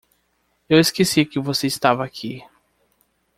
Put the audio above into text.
Eu esqueci que você estava aqui.